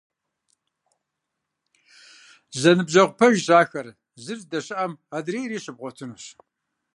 Зэныбжьэгъу пэжщ ахэр, зыр здэщыӀэм адрейри щыбгъуэтынущ.